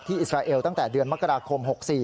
อิสราเอลตั้งแต่เดือนมกราคม๖๔